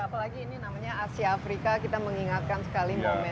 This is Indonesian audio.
ya apalagi ini namanya asia afrika kita mengingatkan sekali momen sejarah bandung ini